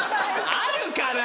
あるかな？